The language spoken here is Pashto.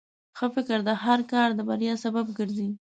ښه فکر د هر کار د بریا سبب ګرځي.